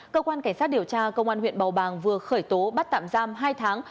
cơ quan cảnh sát điều tra công an huyện bầu bàng vừa khởi tố bắt tạm giam hai tháng